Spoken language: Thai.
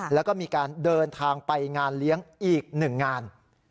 แล้วก็มีการเดินทางไปงานเลี้ยงอีกหนึ่งงาน